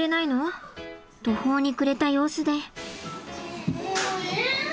途方に暮れた様子で。